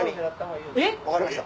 分かりました。